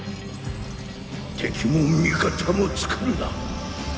敵も味方もつくるな。